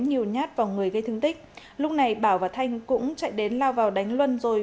nhiều nhát vào người gây thương tích lúc này bảo và thanh cũng chạy đến lao vào đánh luân rồi